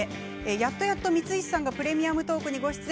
やっとやっと「プレミアムトーク」にご出演。